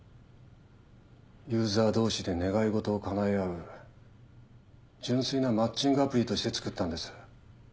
ユーザー同士で願い事を叶え合う純粋なマッチングアプリとして作ったんです。